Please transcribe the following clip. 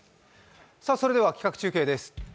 それでは企画中継です。